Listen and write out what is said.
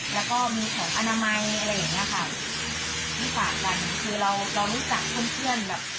แล้วก็มีของอนามัยอะไรอย่างเงี้ยค่ะที่ฝากกันคือเราเรารู้จักเพื่อนเพื่อนแบบ